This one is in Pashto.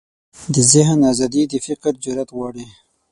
د ذهن ازادي د فکر جرئت غواړي.